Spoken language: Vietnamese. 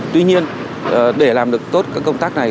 tuy nhiên để làm được tốt các công tác này